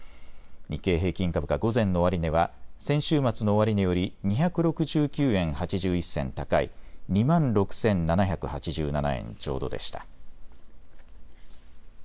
日経平均株価午前の終値は先週末の終値より２６９円８１銭高い２万６７８７円ちょうどでした。